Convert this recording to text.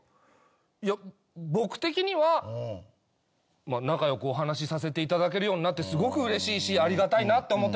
いや僕的には仲良くお話しさせていただけるようになってすごくうれしいしありがたいなって思ってたんですけど。